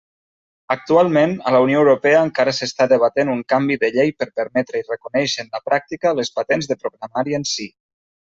Actualment, a la Unió Europea encara s'està debatent un canvi de llei per permetre i reconèixer en la pràctica les patents de programari en si.